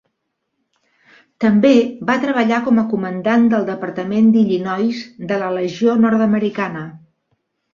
També va treballar com a comandant del departament d'Illinois de la Legió nord-americana.